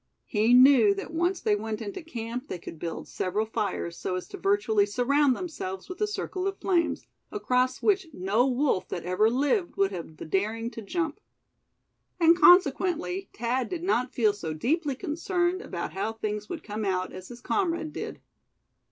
He knew that once they went into camp they could build several fires, so as to virtually surround themselves with a circle of flames, across which no wolf that ever lived would have the daring to jump. And consequently Thad did not feel so deeply concerned about how things would come out as his comrade did.